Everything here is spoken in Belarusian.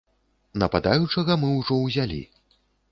Нападаючага мы ўжо ўзялі.